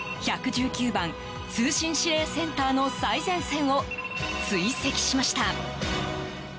１１９番通信指令センターの最前線を追跡しました。